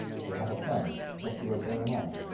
They have a son, Joshua Jeremiah.